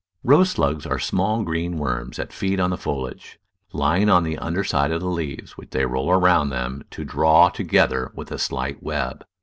Rose slugs are small green worms that feed on the foliage, lying on the under side of the leaves, which they roll around them or draw together with a slight web.